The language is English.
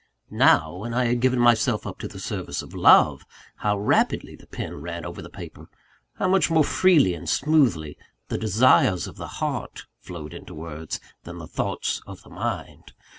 Now, when I had given myself up to the service of love, how rapidly the pen ran over the paper; how much more freely and smoothly the desires of the heart flowed into words, than the thoughts of the mind!